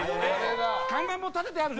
看板も立ててある！